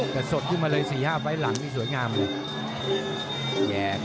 แต่สดขึ้นมาเลย๔๕ไฟล์หลังนี่สวยงามเลย